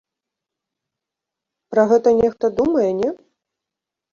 Пра гэта нехта думае, не?